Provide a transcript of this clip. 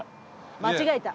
間違えた。